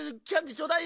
ちょうだいよ。